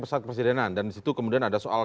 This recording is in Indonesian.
pesawat kepresidenan dan di situ kemudian ada soal